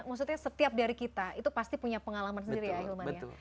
maksudnya setiap dari kita itu pasti punya pengalaman sendiri ya hilman ya